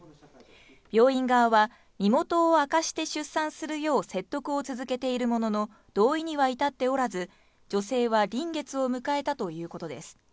病院側が身元を明かして出産するよう説得を続けているものの同意には至っておらず、女性は臨月を迎えたということです。